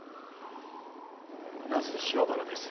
那須塩原です。